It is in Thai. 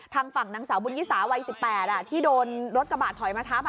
ทางฝั่งนางสาวบุญยิสาวัย๑๘ที่โดนรถกระบะถอยมาทับ